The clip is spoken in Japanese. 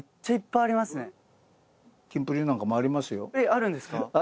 えっあるんですか？